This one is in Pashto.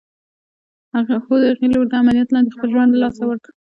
هو! د هغې لور د عمليات لاندې خپل ژوند له لاسه ورکړ.